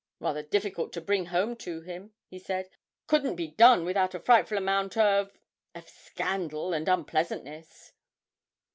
'Rather difficult to bring home to him,' he said: 'couldn't be done without a frightful amount of of scandal and unpleasantness.'